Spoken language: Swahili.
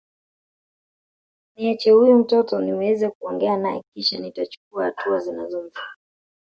Niachie huyu mtoto niweze kuongea naye kisha nitachukua hatua zinazomfaa